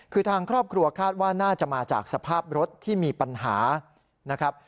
คือทางครอบครัวคาดว่าน่าจะมาจากสภาพรถที่มีปัญหานะครับ